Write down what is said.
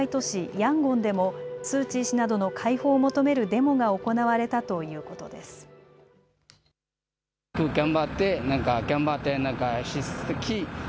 ヤンゴンでもスー・チー氏などの解放を求めるデモが行われたということです。